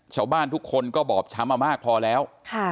ชาวบ้านทุกคนก็บอบช้ำมามากพอแล้ว